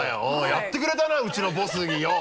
「やってくれたなウチのボスによぉ！」